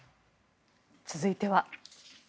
続いては。